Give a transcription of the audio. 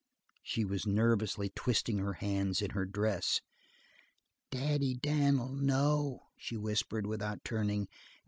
She was nervously twisting her hands in her dress. "Daddy Dan'll know," she whispered without turning.